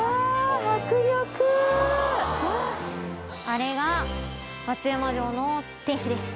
あれが松山城の天守です。